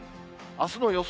あすの予想